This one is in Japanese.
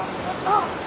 あっ！